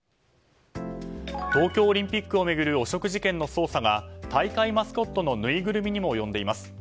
東京オリンピックを巡る汚職事件の捜査が大会マスコットのぬいぐるみにも及んでいます。